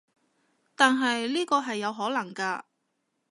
但係呢個係有可能㗎